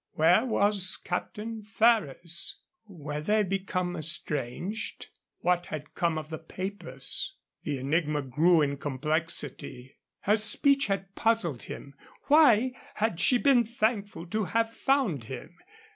Where was Captain Ferrers? Were they become estranged? What had come of the papers? The enigma grew in complexity. Her speech had puzzled him. Why had she been thankful to have found him?